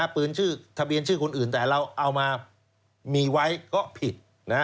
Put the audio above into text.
ปืนชื่อทะเบียนชื่อคนอื่นแต่เราเอามามีไว้ก็ผิด